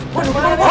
waduh kemana bos